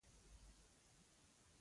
ګڼه ګوڼه ډیره ده